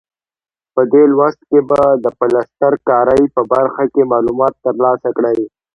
په دې لوست کې به د پلستر کارۍ په برخه کې معلومات ترلاسه کړئ.